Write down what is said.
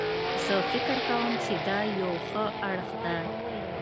زه فکر کوم چې دا یو ښه اړخ ده